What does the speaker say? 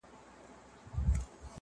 لکه قام وي د ټپوس او د بازانو.!